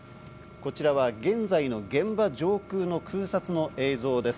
こちらは現在の現場上空の空撮の映像です。